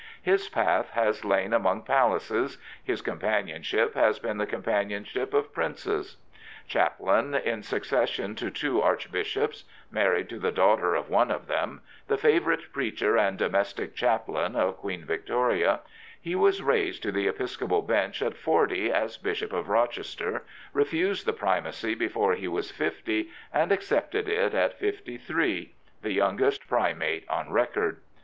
His path has lain among palaces; his companionship has been the companionship of princes.. Chaplain in succession to two archbishops, married to the daughter of one of them, the favourite preacher and domestic chaplain of Queen Victoria, he was raised to the episcopal bench at forty as Bishop of Rochester, refused the Primacy before he was fifty, and accepted it at fifty three — the youngest Primate on record.